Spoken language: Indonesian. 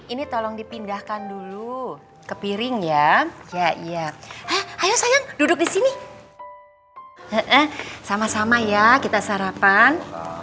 ini tolong dipindahkan dulu ke piring ya ya ayo sayang duduk di sini sama sama ya kita sarapan